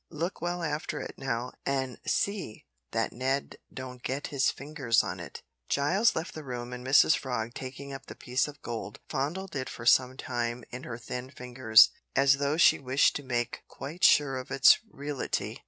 Look well after it, now, an' see that Ned don't get his fingers on it." Giles left the room, and Mrs Frog, taking up the piece of gold, fondled it for some time in her thin fingers, as though she wished to make quite sure of its reality.